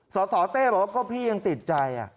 สสเต้บอกว่าก็พี่ยังติดใจ